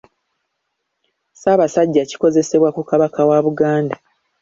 Ssaabasajja kikozesebwa ku Kabaka wa Buganda